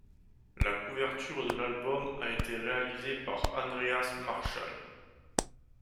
La couverture de l'album a été réalisée par Andreas Marschall.